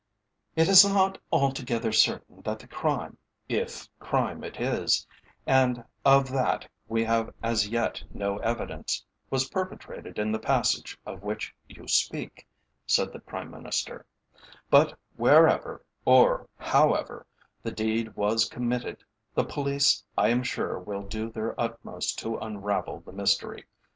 "It is not altogether certain that the crime, if crime it is and of that we have as yet no evidence was perpetrated in the passage of which you speak," said the Prime Minister; "but wherever, or however, the deed was committed, the Police I am sure will do their utmost to unravel the mystery.